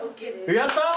やったー！